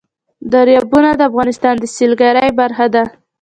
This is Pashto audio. دریابونه د افغانستان د سیلګرۍ برخه ده.